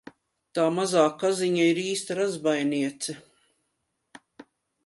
Tā mazā kaziņa ir īsta razbainiece!